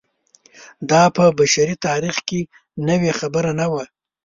دا په بشري تاریخ کې نوې خبره نه وه.